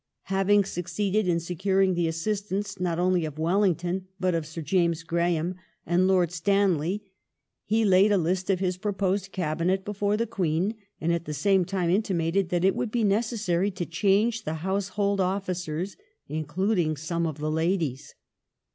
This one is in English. Having succeeded in securing the assistance not only of Wellington but of Sir James Graham and Lord Stanley, he laid a list of his proposed Cabinet before the Queen, and at the same time intimated that it would be necessary to change the Household officers, including some of the Ladies.